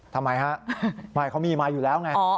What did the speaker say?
ทำไมฮะไม่เขามีมาอยู่แล้วไง